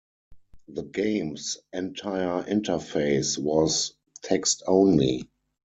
The game's entire interface was text-only.